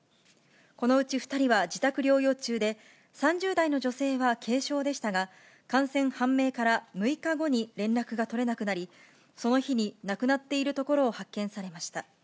このうち２人は自宅療養中で、３０代の女性は軽症でしたが、感染判明から６日後に連絡が取れなくなり、その日に亡くなっているところを発見されました。